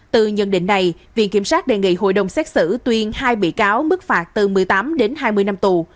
từ nhận định này viện kiểm sát đề nghị hội đồng xét xử tuyên hai bị cáo mức phạt từ một mươi tám đến hai mươi năm tù